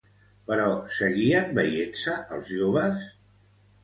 Però seguien veient-se, els joves?